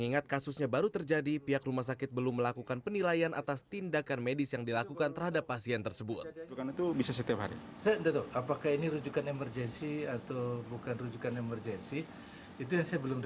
pihak keluarga mengeluhkan pelayanan rumah sakit yang lambat untuk menangani pasien